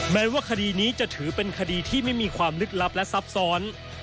แม้ว่าคดีนี้จะถือเป็นคดีที่ไม่มีความลึกลับและซับซ้อน